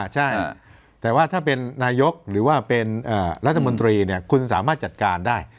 ใช่แต่ว่าถ้าเป็นนายกหรือว่าเป็นรัฐมนตรีคุณสามารถจัดการได้